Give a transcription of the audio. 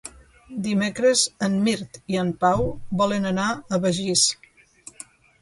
Dimecres en Mirt i en Pau volen anar a Begís.